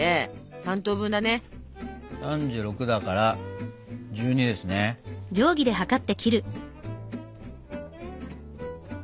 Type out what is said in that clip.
３６だから１２ですね。